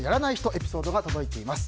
エピソードが届いています。